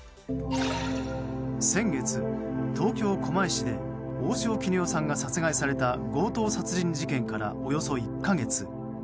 先月、東京・狛江市で大塩衣與さんが殺害された強盗殺人事件からおよそ１か月。